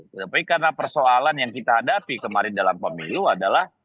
tetapi karena persoalan yang kita hadapi kemarin dalam pemilu adalah